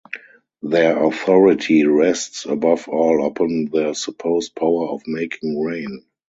Their authority rests above all upon their supposed power of making rain.